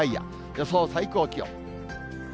予想最高気温。